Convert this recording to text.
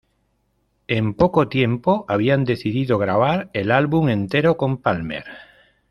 En poco tiempo, habían decidido grabar el álbum entero con Palmer.